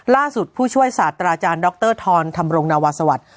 ผู้ช่วยศาสตราอาจารย์ดรธรธรรมรงนวาสวัสดิ์